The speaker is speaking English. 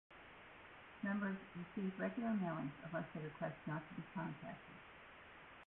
Members receive regular mailings unless they request not to be contacted.